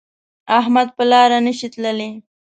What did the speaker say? احمد په لاره نشي تللی